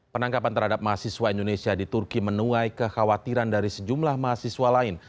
penangkapan terhadap mahasiswa indonesia di turki menuai kekhawatiran dari sejumlah mahasiswa lain